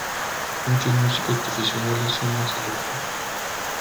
Muchos músicos profesionales son ex alumnos.